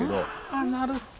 あなるほど。